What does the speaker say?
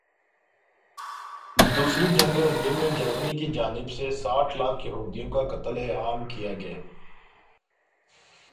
دوسری جنگ عظیم میں جرمنی کی جانب سے ساٹھ لاکھ یہودیوں کا قتل عام کیا گیا